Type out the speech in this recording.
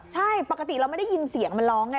ใช่ปกติเราไม่ได้ยินเสียงมันร้องไง